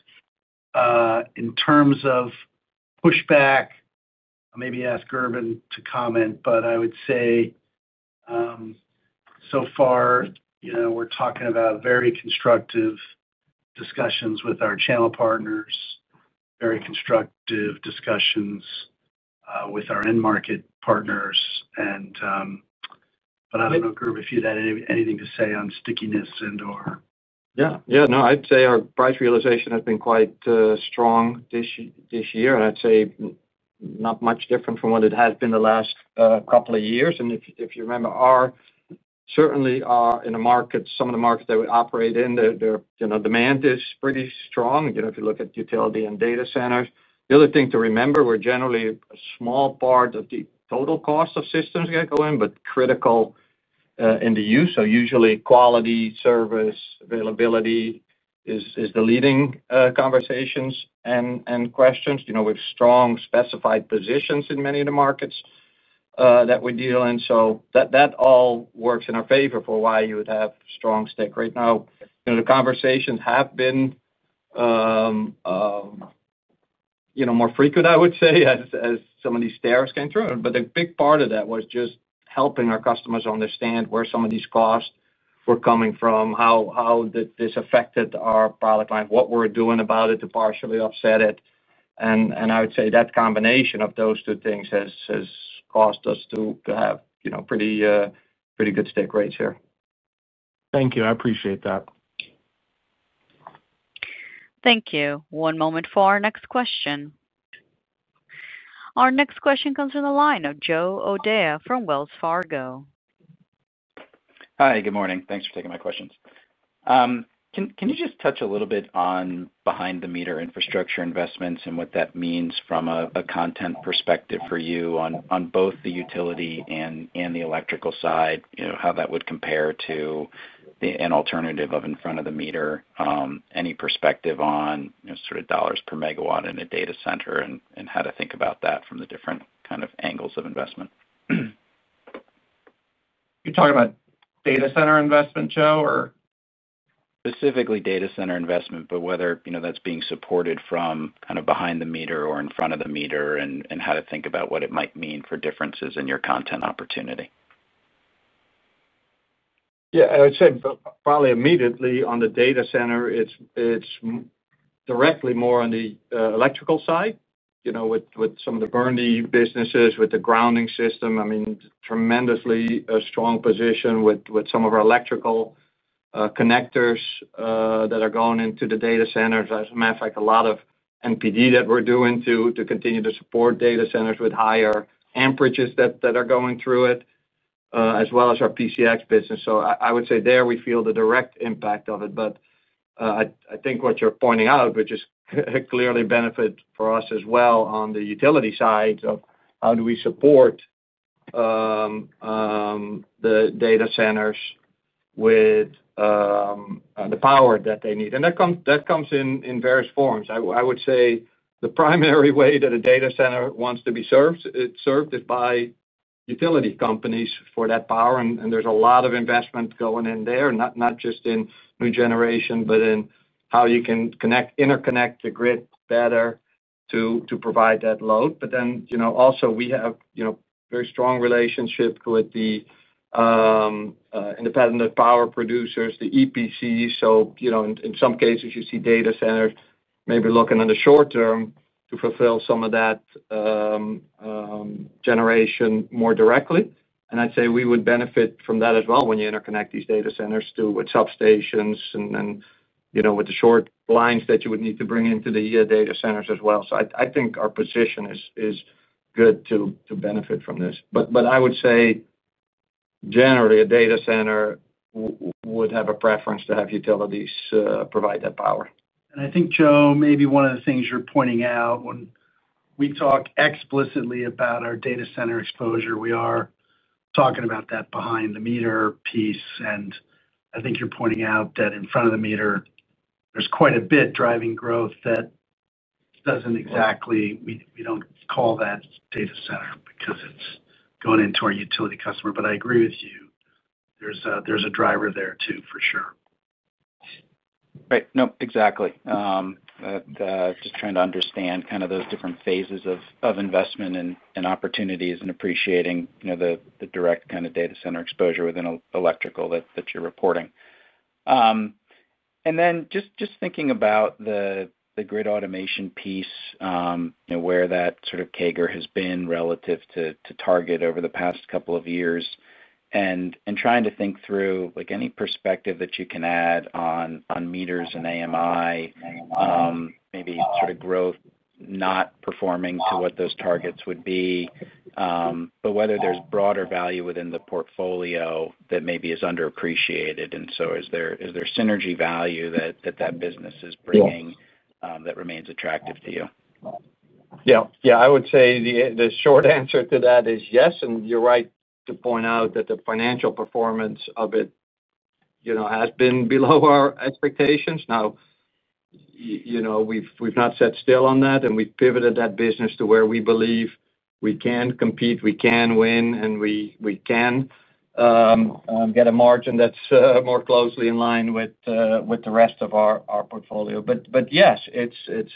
In terms of pushback, maybe ask Gerben to comment, but I would say so far, you know, we're talking about very constructive discussions with our channel partners, very constructive discussions with our end market partners. I don't know, Gerben, if you had anything to say on stickiness and/or. Yeah, I'd say our price realization has been quite strong this year. I'd say not much different from what it has been the last couple of years. If you remember, certainly in the market, some of the markets that we operate in, the demand is pretty strong. If you look at utility and data centers, the other thing to remember, we're generally a small part of the total cost of systems that go in, but critical in the use. Usually, quality, service, availability is the leading conversations and questions. We have strong specified positions in many of the markets that we deal in. That all works in our favor for why you would have a strong stick rate. The conversations have been more frequent, I would say, as some of these stairs came through. A big part of that was just helping our customers understand where some of these costs were coming from, how this affected our product line, what we're doing about it to partially offset it. I would say that combination of those two things has caused us to have pretty good stick rates here. Thank you. I appreciate that. Thank you. One moment for our next question. Our next question comes from the line of Joe O'Dea from Wells Fargo. Hi, good morning. Thanks for taking my questions. Can you just touch a little bit on behind-the-meter infrastructure investments and what that means from a content perspective for you on both the utility and the electrical side, you know, how that would compare to an alternative of in front of the meter? Any perspective on sort of dollars per megawatt in a data center and how to think about that from the different kind of angles of investment? You're talking about data center investment, Joe? Specifically, data center investment, whether that's being supported from kind of behind the meter or in front of the meter, and how to think about what it might mean for differences in your content opportunity. Yeah, I would say probably immediately on the data center, it's directly more on the electrical side, you know, with some of the Burndy businesses, with the grounding system. I mean, tremendously strong position with some of our electrical connectors that are going into the data centers. As a matter of fact, a lot of NPD that we're doing to continue to support data centers with higher amperages that are going through it, as well as our PCX business. I would say there we feel the direct impact of it. I think what you're pointing out, which is clearly a benefit for us as well on the utility side, is how do we support the data centers with the power that they need. That comes in various forms. I would say the primary way that a data center wants to be served is by utility companies for that power. There's a lot of investment going in there, not just in new generation, but in how you can interconnect the grid better to provide that load. Also, we have a very strong relationship with the independent power producers, the EPCs. In some cases, you see data centers maybe looking in the short term to fulfill some of that generation more directly. I'd say we would benefit from that as well when you interconnect these data centers too with substations and with the short lines that you would need to bring into the data centers as well. I think our position is good to benefit from this. I would say generally, a data center would have a preference to have utilities provide that power. I think, Joe, maybe one of the things you're pointing out when we talk explicitly about our data center exposure, we are talking about that behind-the-meter piece. I think you're pointing out that in front of the meter, there's quite a bit driving growth that doesn't exactly, we don't call that data center because it's going into our utility customer. I agree with you. There's a driver there too, for sure. Right. No, exactly. Just trying to understand those different phases of investment and opportunities and appreciating the direct data center exposure within electrical that you're reporting. Then just thinking about the grid automation piece, where that sort of CAGR has been relative to target over the past couple of years, and trying to think through any perspective that you can add on meters and AMI, maybe sort of growth not performing to what those targets would be, but whether there's broader value within the portfolio that maybe is underappreciated. Is there synergy value that that business is bringing that remains attractive to you? Yeah. Yeah, I would say the short answer to that is yes. You're right to point out that the financial performance of it has been below our expectations. We've not sat still on that, and we've pivoted that business to where we believe we can compete, we can win, and we can get a margin that's more closely in line with the rest of our portfolio. Yes, it's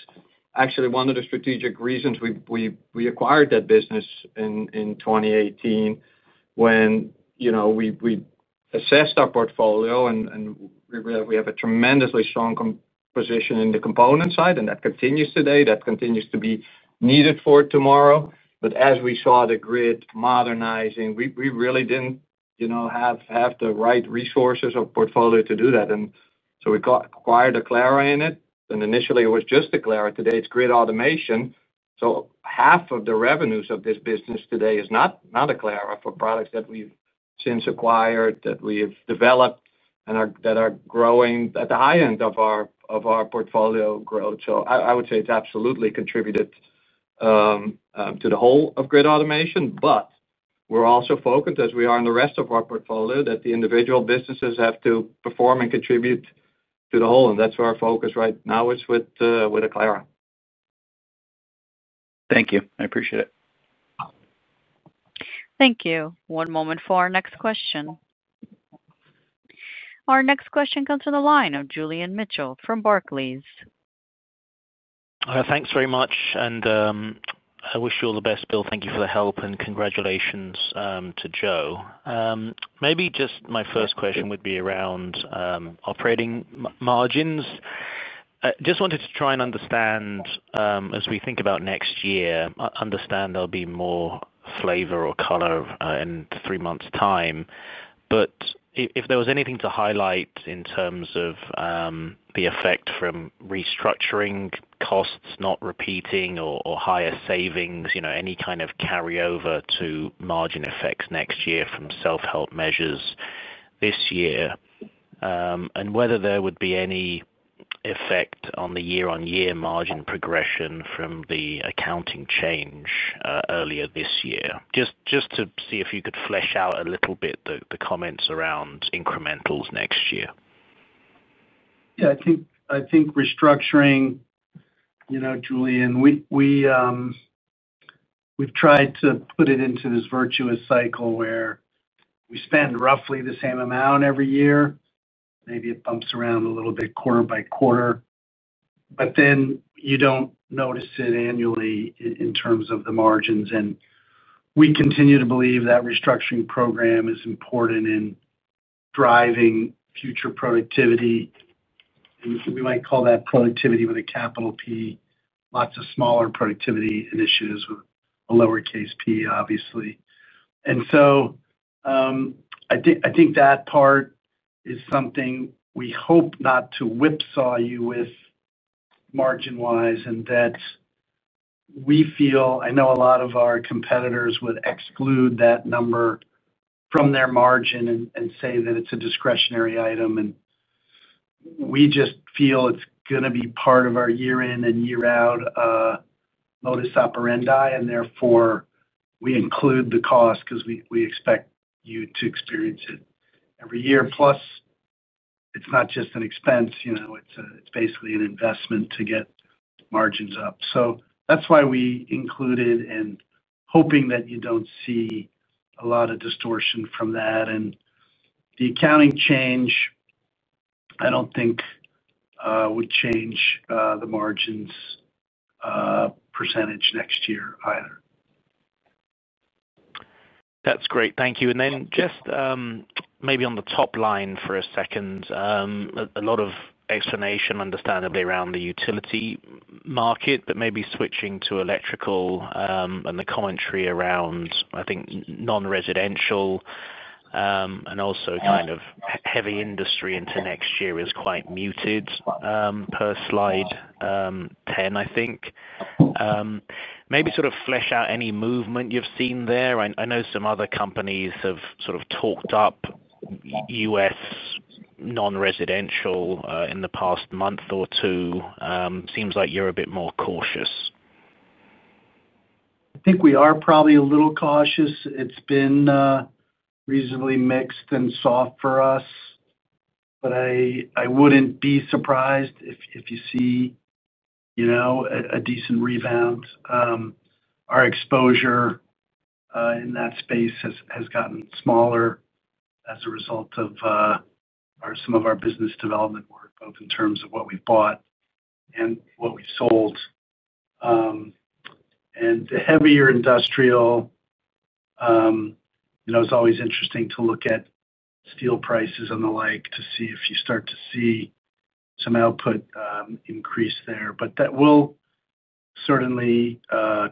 actually one of the strategic reasons we acquired that business in 2018 when we assessed our portfolio and we have a tremendously strong position in the component side, and that continues today. That continues to be needed for tomorrow. As we saw the grid modernizing, we really didn't have the right resources or portfolio to do that. We acquired Aclara in it. Initially, it was just Aclara. Today, it's grid automation. Half of the revenues of this business today is not Aclara, for products that we've since acquired, that we've developed, and that are growing at the high end of our portfolio growth. I would say it's absolutely contributed to the whole of grid automation. We're also focused, as we are in the rest of our portfolio, that the individual businesses have to perform and contribute to the whole. That's where our focus right now is with Aclara. Thank you. I appreciate it. Thank you. One moment for our next question. Our next question comes from the line of Julian Mitchell from Barclays. Thanks very much. I wish you all the best, Bill. Thank you for the help and congratulations to Joe. Maybe just my first question would be around operating margins. I just wanted to try and understand, as we think about next year, I understand there'll be more flavor or color in three months' time. If there was anything to highlight in terms of the effect from restructuring costs not repeating, or higher savings, any kind of carryover to margin effects next year from self-help measures this year, and whether there would be any effect on the year-on-year margin progression from the accounting change earlier this year, just to see if you could flesh out a little bit the comments around incrementals next year. Yeah, I think restructuring, you know, Julian, we've tried to put it into this virtuous cycle where we spend roughly the same amount every year. Maybe it bumps around a little bit quarter by quarter, but then you don't notice it annually in terms of the margins. We continue to believe that restructuring program is important in driving future productivity. We might call that productivity with a capital P, lots of smaller productivity initiatives with a lowercase p, obviously. I think that part is something we hope not to whipsaw you with margin-wise, and that we feel I know a lot of our competitors would exclude that number from their margin and say that it's a discretionary item. We just feel it's going to be part of our year-in and year-out modus operandi. Therefore, we include the cost because we expect you to experience it every year. Plus, it's not just an expense. It's basically an investment to get margins up. That's why we include it and hope that you don't see a lot of distortion from that. The accounting change, I don't think would change the margins percentage next year either. That's great. Thank you. Maybe on the top line for a second, a lot of explanation, understandably, around the utility market, but switching to electrical and the commentary around, I think, non-residential and also kind of heavy industry into next year is quite muted per slide 10, I think. Maybe sort of flesh out any movement you've seen there. I know some other companies have talked up U.S. non-residential in the past month or two. Seems like you're a bit more cautious. I think we are probably a little cautious. It's been reasonably mixed and soft for us. I wouldn't be surprised if you see, you know, a decent rebound. Our exposure in that space has gotten smaller as a result of some of our business development work, both in terms of what we've bought and what we've sold. The heavier industrial, you know, it's always interesting to look at steel prices and the like to see if you start to see some output increase there. That will certainly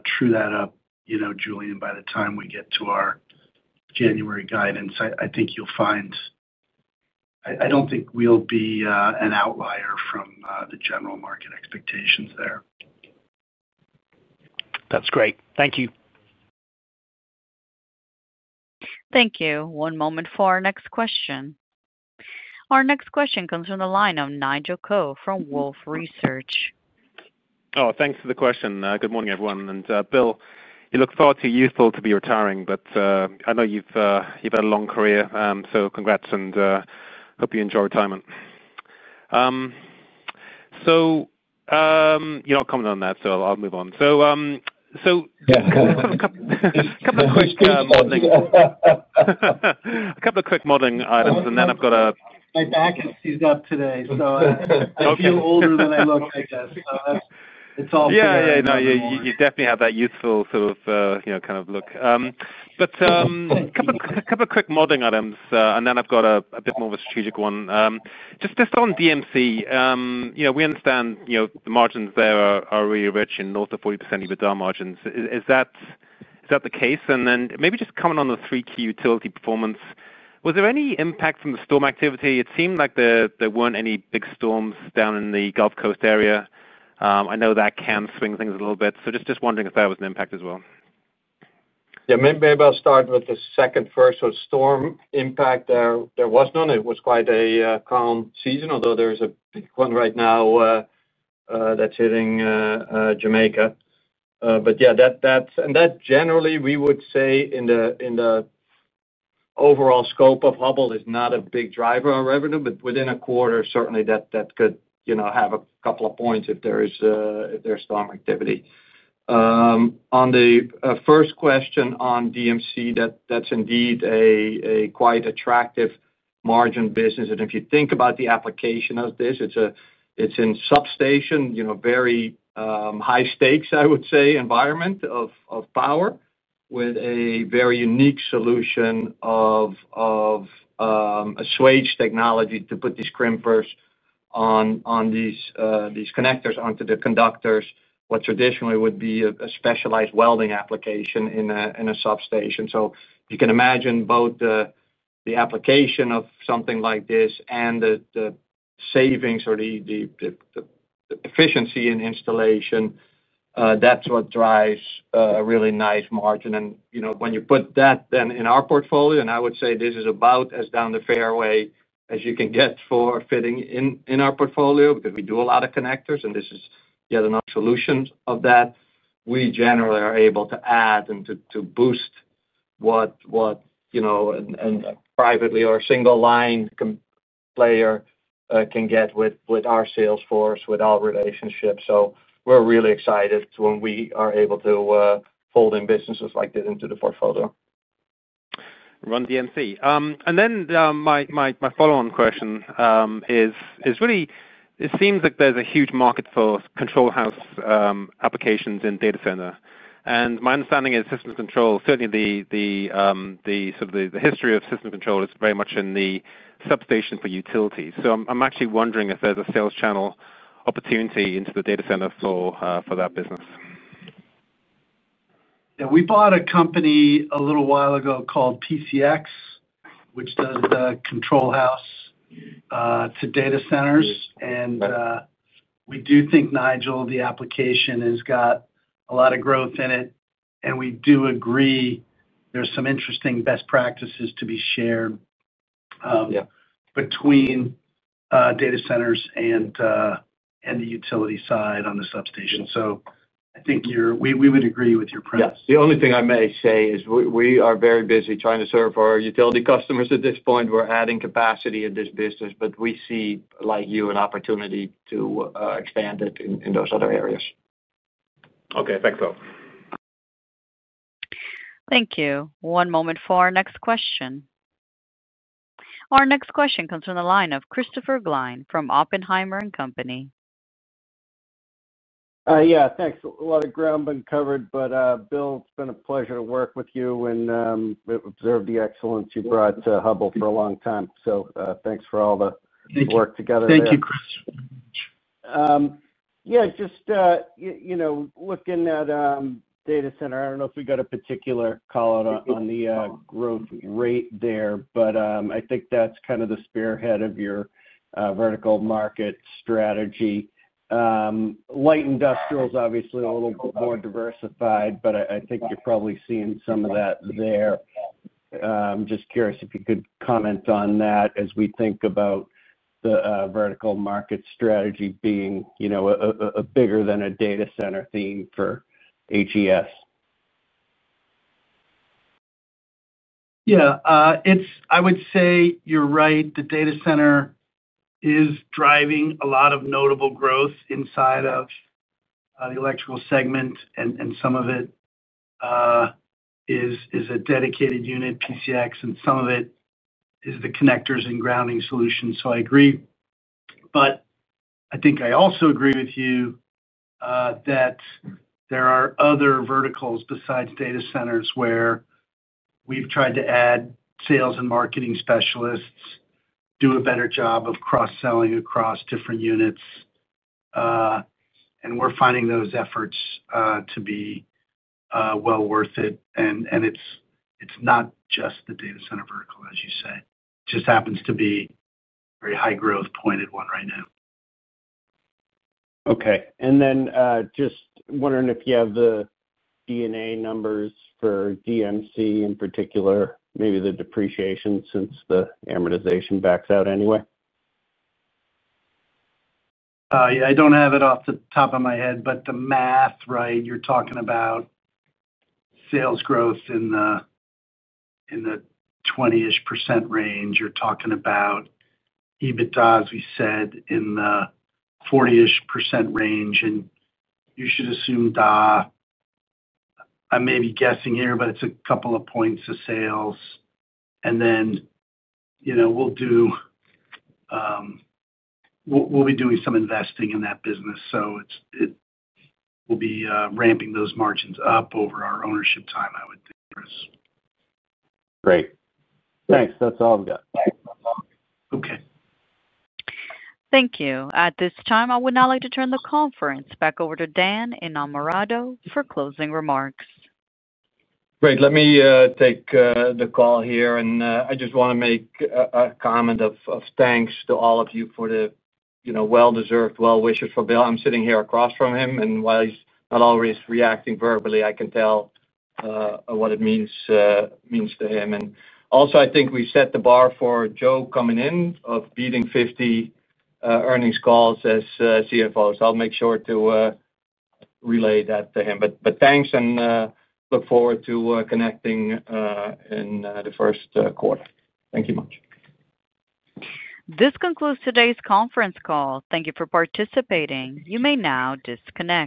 true that up, you know, Julian, by the time we get to our January guidance. I think you'll find I don't think we'll be an outlier from the general market expectations there. That's great. Thank you. Thank you. One moment for our next question. Our next question comes from the line of Nigel Coe from Wolfe Research. Thanks for the question. Good morning, everyone. Bill, you look far too youthful to be retiring, but I know you've had a long career, so congrats, and hope you enjoy retirement. You're not commenting on that, so I'll move on. I've got a couple of quick modeling items, and then I've got a. My back is up today, so I feel older than I look, I guess. It's all fair. Yeah, you definitely have that youthful sort of, you know, kind of look. A couple of quick modeling items, and then I've got a bit more of a strategic one. Just on DMC Power, we understand the margins there are really rich, in north of 40% EBITDA margins. Is that the case? Maybe just comment on the three-key utility performance. Was there any impact from the storm activity? It seemed like there weren't any big storms down in the Gulf Coast area. I know that can swing things a little bit. Just wondering if that was an impact as well. Yeah, maybe I'll start with the second first, sort of storm impact. There was none. It was quite a calm season, although there is a big one right now that's hitting Jamaica. That generally, we would say in the overall scope of Hubbell, is not a big driver on revenue, but within a quarter, certainly that could have a couple of points if there's storm activity. On the first question on DMC, that's indeed a quite attractive margin business. If you think about the application of this, it's in substation, very high stakes, I would say, environment of power with a very unique solution of a swage technology to put these crimpers on these connectors onto the conductors, what traditionally would be a specialized welding application in a substation. You can imagine both the application of something like this and the savings or the efficiency in installation. That's what drives a really nice margin. When you put that then in our portfolio, I would say this is about as down the fairway as you can get for fitting in our portfolio because we do a lot of connectors, and this is yet another solution of that. We generally are able to add and to boost what, you know, and privately or a single line player can get with our sales force, with our relationships. We're really excited when we are able to fold in businesses like that into the portfolio. DMC. My follow-on question is really, it seems like there's a huge market for control house applications in data center. My understanding is system control, certainly the sort of the history of system control, is very much in the substation for utilities. I'm actually wondering if there's a sales channel opportunity into the data center for that business. Yeah, we bought a company a little while ago called PCX, which does control house to data centers. We do think, Nigel, the application has got a lot of growth in it. We do agree there's some interesting best practices to be shared between data centers and the utility side on the substation. I think we would agree with your premise. The only thing I may say is we are very busy trying to serve our utility customers at this point. We're adding capacity in this business, but we see, like you, an opportunity to expand it in those other areas. Okay. Thanks, Bill. Thank you. One moment for our next question. Our next question comes from the line of Christopher Glynn from Oppenheimer & Company. Yeah, thanks. A lot of ground uncovered, but Bill, it's been a pleasure to work with you and observe the excellence you brought to Hubbell for a long time. Thanks for all the work together. Thank you, Chris. Yeah, just, you know, looking at data center, I don't know if we got a particular call out on the growth rate there, but I think that's kind of the spearhead of your vertical market strategy. Light industrial is obviously a little more diversified, but I think you're probably seeing some of that there. I'm just curious if you could comment on that as we think about the vertical market strategy being, you know, a bigger than a data center theme for AGS. Yeah, I would say you're right. The data center is driving a lot of notable growth inside of the electrical segment, and some of it is a dedicated unit, PCX, and some of it is the connectors and grounding solutions. I agree. I also agree with you that there are other verticals besides data centers where we've tried to add sales and marketing specialists to do a better job of cross-selling across different units. We're finding those efforts to be well worth it. It's not just the data center vertical, as you say. It just happens to be a very high-growth pointed one right now. Okay. Then just wondering if you have the D&A numbers for DMC in particular, maybe the depreciation since the amortization backs out anyway. I don't have it off the top of my head, but the math, right, you're talking about sales growth in the 20% range. You're talking about EBITDA, as we said, in the 40% range. You should assume D&A, I may be guessing here, but it's a couple of points of sales. We'll be doing some investing in that business. We'll be ramping those margins up over our ownership time, I would think, Chris. Great. Thanks. That's all I've got. Okay. Thank you. At this time, I would now like to turn the conference back over to Dan Innamorato for closing remarks. Great. Let me take the call here. I just want to make a comment of thanks to all of you for the well-deserved well-wishes for Bill. I'm sitting here across from him, and while he's not always reacting verbally, I can tell what it means to him. I think we set the bar for Joe coming in of beating 50 earnings calls as CFOs. I'll make sure to relay that to him. Thanks and look forward to connecting in the first quarter. Thank you much. This concludes today's conference call. Thank you for participating. You may now disconnect.